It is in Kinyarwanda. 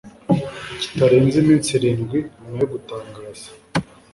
kitarenze iminsi irindwi nyuma yo gutangaza